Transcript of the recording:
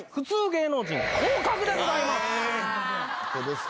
芸能人降格でございます。